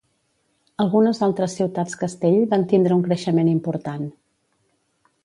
Algunes altres ciutats castell van tindre un creixement important.